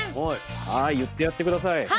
はい言ってやって下さい。